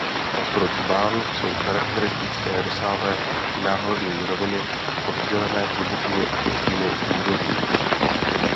Pro Džbán jsou charakteristické rozsáhlé náhorní roviny oddělené hlubokými a širokými údolími.